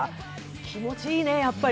気持いいね、やっぱり。